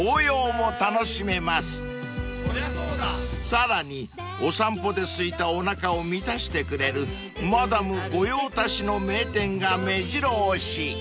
［さらにお散歩ですいたおなかを満たしてくれるマダム御用達の名店がめじろ押し］